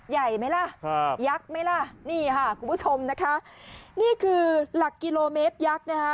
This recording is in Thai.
ใหญ่ไหมล่ะครับยักษ์ไหมล่ะนี่ค่ะคุณผู้ชมนะคะนี่คือหลักกิโลเมตรยักษ์นะคะ